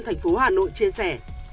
thành phố hà nội chia sẻ